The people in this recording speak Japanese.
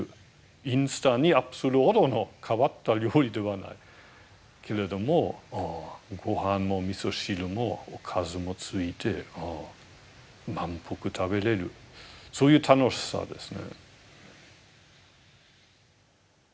インスタにアップするほどの変わった料理ではないけれどもごはんもおみそ汁もおかずもついて満腹食べれるそういう楽しさですね。